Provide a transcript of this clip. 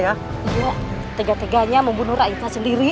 iya tega teganya membunuh rakyatnya sendiri